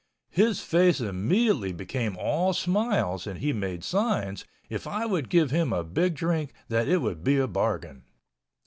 His face immediately became all smiles and he made signs if I would give him a big drink that it would be a bargain.